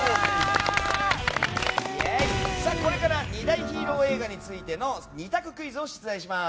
これから２大ヒーロー映画についての２択クイズを出題します。